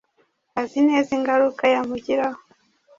azi neza ingaruka yamugiraho.